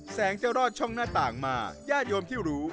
จะรอดช่องหน้าต่างมาญาติโยมที่รู้